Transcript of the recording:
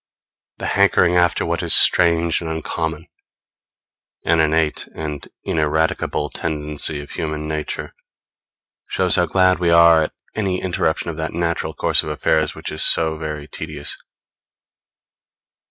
The hankering after what is strange and uncommon an innate and ineradicable tendency of human nature shows how glad we are at any interruption of that natural course of affairs which is so very tedious.